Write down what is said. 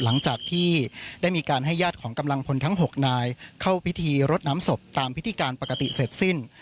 หลังจากที่ได้มีการให้ญาติของกำลังพลทั้ง๖นายเข้าพิธีรดน้ำศพตามพิธีการปกติเสร็จสิ้น